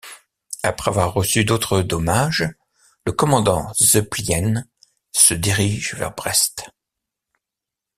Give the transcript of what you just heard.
Après avoir reçu d'autres dommages, le commandant Zeplien se dirige vers Brest.